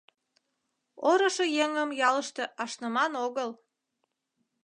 Орышо еҥым ялыште ашныман огыл...